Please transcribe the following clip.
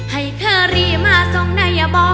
ให้เธอรีมาส่องได้ยะบ่